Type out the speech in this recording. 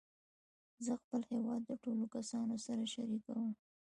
زه خپل هېواد د ټولو کسانو سره شریکوم.